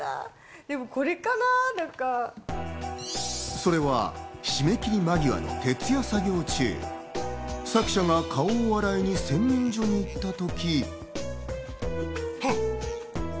それは締め切り間際の徹夜作業中、作者が顔を洗いに洗面所に行った時。